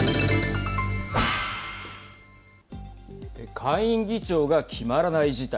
下院議長が決まらない事態。